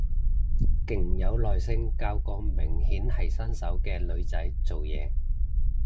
勁有耐性教個明顯係新手嘅女仔做嘢